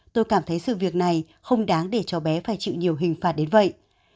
tôi cảm thấy sự việc này không đáng để cháu bé phải chịu nhiều hình phạt đến vậy